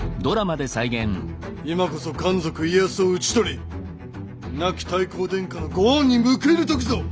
今こそ奸賊家康を討ち取り亡き太閤殿下のご恩に報いる時ぞ！